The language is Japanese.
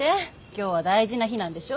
今日は大事な日なんでしょ？